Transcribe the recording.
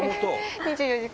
２４時間。